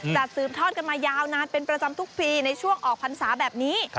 สืบทอดกันมายาวนานเป็นประจำทุกปีในช่วงออกพรรษาแบบนี้